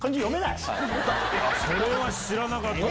それは知らなかったな。